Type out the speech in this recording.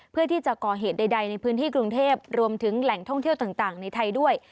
เพื่อที่จะก่อเหตุใดในพื้นที่กรุงเทพรวมถึงแหล่งท่องเที่ยวต่างในไทยด้วย